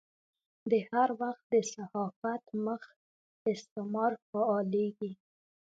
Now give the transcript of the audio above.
د هر وخت د صحافت مخ استعمار فعالېږي.